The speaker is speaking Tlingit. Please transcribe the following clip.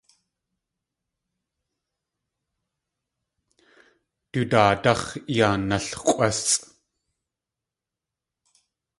Du daadáx̲ yaa nalx̲ʼwásʼ.